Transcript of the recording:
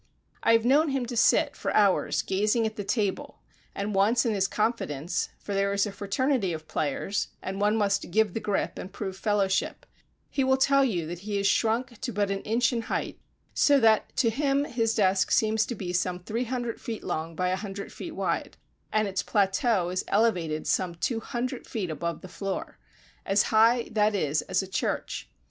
I have known him to sit for hours gazing at the table, and, once in his confidence for there is a fraternity of players, and one must give the grip and prove fellowship he will tell you that he has shrunk to but an inch in height, so that, to him, his desk seems to be some three hundred feet long by a hundred feet wide, and its plateau is elevated some two hundred feet above the floor; as high, that is, as a church.